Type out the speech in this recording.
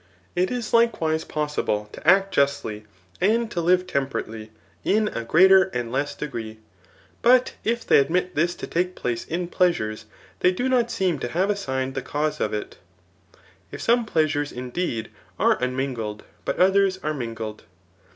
It is likewise possible to act justly and to live temperate ly, in a greater and less degree. But if they admit this to take place in pleasures, they do not seem to have as signed the cause of it ; if some pleasures indeed are im* mingled, but others are mingled.